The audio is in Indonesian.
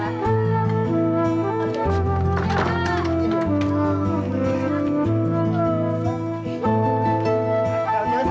nah itu boleh